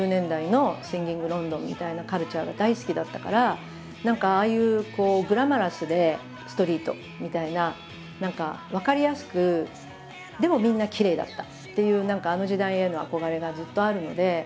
もともと何かああいうグラマラスでストリートみたいな何か分かりやすくでもみんなきれいだったっていうあの時代への憧れがずっとあるので。